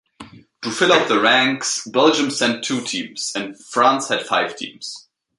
To fill out the ranks, Belgium sent two teams, and France had five teams.